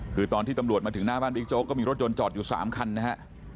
คือตอนที่ตำรวจมาถึงหน้าบ้านบิ๊กโจ๊กก็มีรถยนต์จอดอยู่๓คันนะฮะ